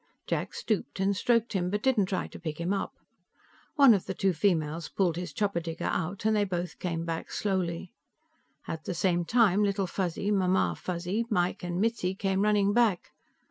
Jack stooped and stroked him, but didn't try to pick him up. One of the two females pulled his chopper digger out, and they both came back slowly. At the same time, Little Fuzzy, Mamma Fuzzy, Mike and Mitzi came running back.